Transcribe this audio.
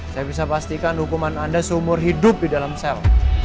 saya bisa pastikan hukuman anda seumur hidup di dalam sel